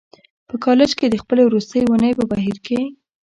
په کالج کې د خپلې وروستۍ اونۍ په بهير کې.